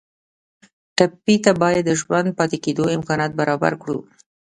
ټپي ته باید د ژوندي پاتې کېدو امکانات برابر کړو.